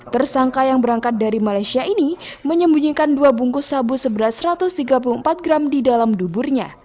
tersangka yang berangkat dari malaysia ini menyembunyikan dua bungkus sabu seberat satu ratus tiga puluh empat gram di dalam duburnya